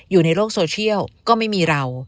อยู่ในโลกโซเชียลก็ไม่มีเรา